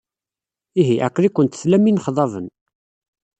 Ihi, aql-ikent tlam inexḍaben.